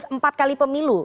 empat kali pemilu